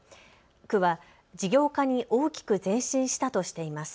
区は事業化に大きく前進したとしています。